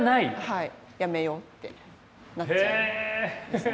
はいやめようってなっちゃうんですね。